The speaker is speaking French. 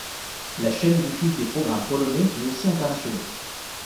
La chaîne diffuse des programmes polonais mais aussi internationaux.